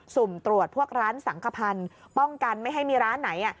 สุ่มตรวจพวกร้านสังขพันธ์ป้องกันไม่ให้มีร้านไหน